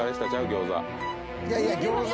餃子